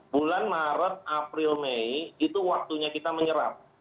bulan maret april mei itu waktunya kita menyerap